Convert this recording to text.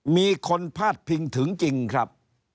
มีคนพาดพิงถึงจริงครับ